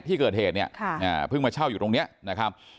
ที่เกิดเหตุเนี่ยเพิ่งมาเช่าอยู่ตรงนี้นะครับ